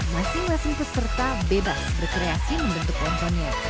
masing masing peserta bebas berkreasi membentuk tontonnya